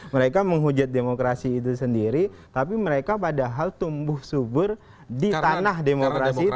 mereka menghujat demokrasi itu sendiri tapi mereka padahal tumbuh subur di tanah demokrasi itu